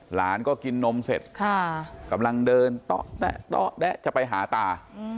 หลานก็กินนมเสร็จกำลังเดินจะไปหาตา